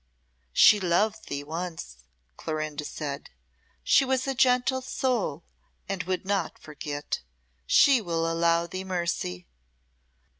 "She loved thee once," Clorinda said. "She was a gentle soul, and would not forget. She will show thee mercy."